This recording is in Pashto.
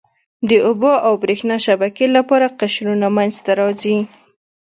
د اوبو او بریښنا شبکې لپاره قشرونه منځته راځي.